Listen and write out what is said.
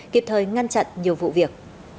kịp thời ngăn chặn nhiều vụ việc